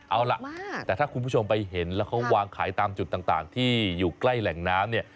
เอาล่ะแต่ถ้าคุณผู้ชมไปเห็นแล้วเขาวางขายตามจุดต่างที่อยู่ใกล้แหล่งน้ำเนี่ย